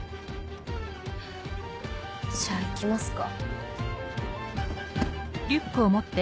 じゃあ行きますか。